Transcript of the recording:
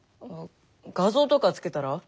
画像とか付けたら？